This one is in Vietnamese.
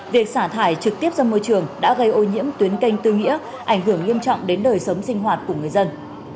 việc xả thải trực tiếp ra môi trường đã gây ô nhiễm tuyến canh tư nghĩa ảnh hưởng nghiêm trọng đến đời sống sinh hoạt của người dân